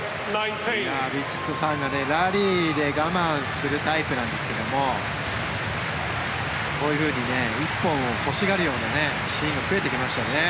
ヴィチットサーンがラリーで我慢するタイプなんですけどこういうふうに１本を欲しがるようなシーンが増えてきましたね。